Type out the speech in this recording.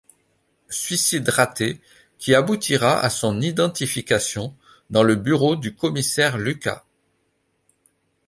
Suicide raté qui aboutira à son identification dans le bureau du commissaire Lucas.